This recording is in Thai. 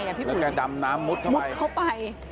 แล้วก็ดำน้ำมุดเข้าไป